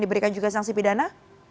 berikan juga sangsi pidana